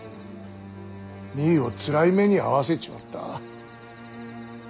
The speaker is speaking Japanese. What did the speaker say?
実衣をつらい目に遭わせちまった。